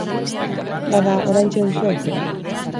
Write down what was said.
Bada, oraintxe duzu aukera.